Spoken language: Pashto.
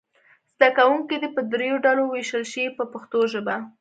زده کوونکي دې په دریو ډلو وویشل شي په پښتو ژبه.